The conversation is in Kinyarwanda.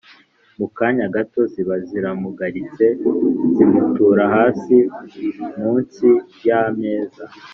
mu kanya gato ziba ziramugaritse zimutura hasi munsi y'ameza,